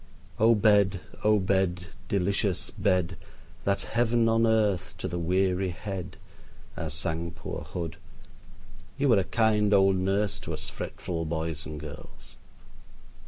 "O bed, O bed, delicious bed, that heaven on earth to the weary head," as sang poor Hood, you are a kind old nurse to us fretful boys and girls.